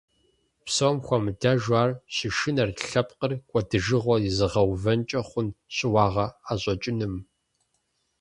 Псом хуэмыдэжу ар щышынэрт лъэпкъыр кӀуэдыжыгъуэ изыгъэувэнкӀэ хъун щыуагъэ ӀэщӀэкӀыным.